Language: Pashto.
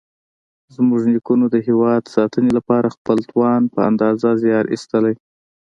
زموږ نیکونو د هېواد ساتنې لپاره خپل توان په اندازه زیار ایستلی.